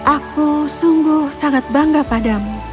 aku sungguh sangat bangga padamu